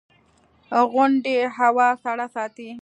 • غونډۍ هوا سړه ساتي.